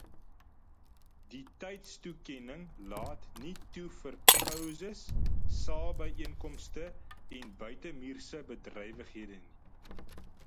Die tydstoekenning laat nie toe vir pouses, saalbyeenkomste en buitemuurse bedrywighede nie.